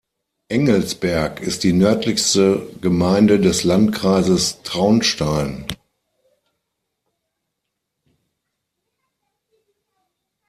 Engelsberg ist die nördlichste Gemeinde des Landkreises Traunstein.